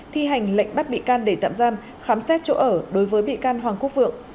thi hành lệnh bắt bị can để tạm giam khám xét chỗ ở đối với bị can hoàng quốc vượng